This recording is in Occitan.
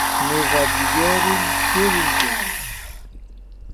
M’ac comuniquèren de seguit.